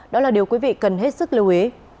đó là điều quý vị cần hết sức lưu ý